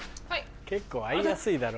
結構合いやすいだろ。